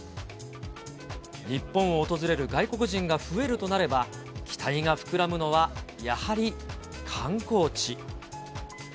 日本を訪れる外国人が増えるとなれば、期待が膨らむのはやはり観光地。